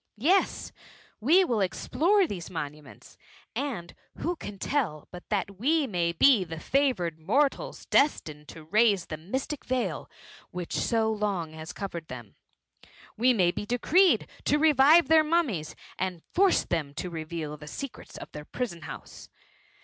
Yes, we will explore these monuments, and who can tell but that we may be the jfavoured mortals destined to raise the mystic veil which so long has covered them? We may be decreed to revive their mummies, and force them to reveal the secrets of their prison house.